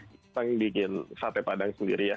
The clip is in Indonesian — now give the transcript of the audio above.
kita yang bikin sate padang sendiri ya